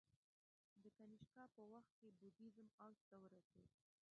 د کنیشکا په وخت کې بودیزم اوج ته ورسید